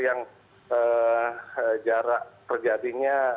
yang jarak terjadinya